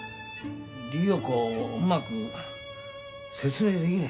理代子をうまく説明できねえ。